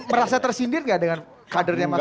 merasa tersindir gak dengan kadernya mas roy